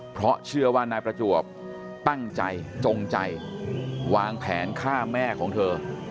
เพราะเชื่อว่านายประจวบตั้งใจจงใจวางแผนฆ่าแม่ของเธอ